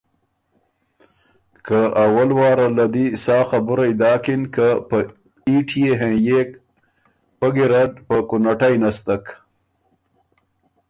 که اول واره له دی سا خبُرئ داکِن که په ایټيې هېنيېک، پۀ ګیرډ په کُونَټئ نستک۔